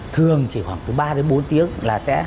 thường chỉ khoảng ba đến bốn tiếng là